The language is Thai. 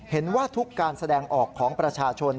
เห็นว่าทุกการแสดงออกของประชาชน